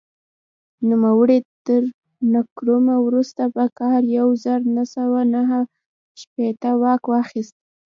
نوموړي تر نکرومه وروسته په کال یو زر نهه سوه نهه شپېته واک واخیست.